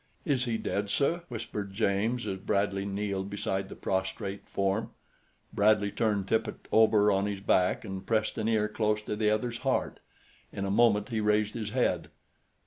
"Is he dead, sir?" whispered James as Bradley kneeled beside the prostrate form. Bradley turned Tippet over on his back and pressed an ear close to the other's heart. In a moment he raised his head.